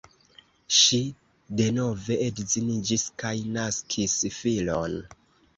Ŝi denove edziniĝis kaj naskis filon.